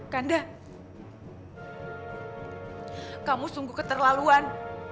kanda kamu sungguh keterlaluan